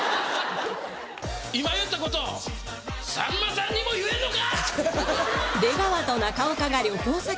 「今言ったことさんまさんにも言えんのか！」。